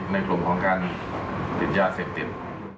ในกลุ่มของการติดยาเสพติด